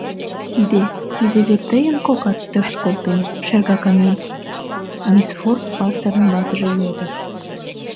— Тиде... тиде вет тыйын кокат тыш колтен, шергаканем? — мисс Форд, пасторын ватыже, йодо.